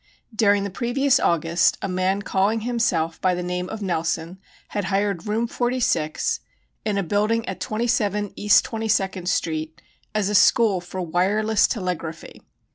During the previous August a man calling himself by the name of Nelson had hired Room 46, in a building at 27 East Twenty second Street, as a school for "wireless telegraphy."